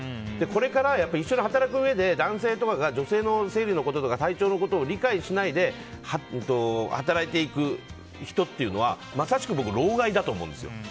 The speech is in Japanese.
これから一緒に働くうえで男性とかが女性の生理のこととか体調のことを理解しないで働いていく人っていうのはまさしく老害だと思うんですよ。